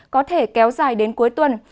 có thể kéo dài đến cuối tuần